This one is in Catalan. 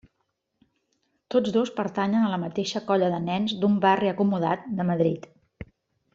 Tots dos pertanyen a la mateixa colla de nens d'un barri acomodat de Madrid.